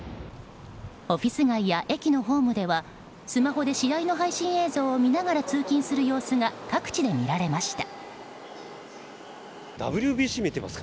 オフィス街や駅のホームではスマホで試合の配信映像を見ながら通勤する様子が各地で見られました。